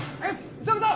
「急ぐぞ！